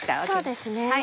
そうですね。